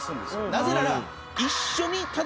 なぜなら。